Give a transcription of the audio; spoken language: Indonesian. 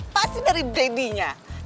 pasti dari dadinya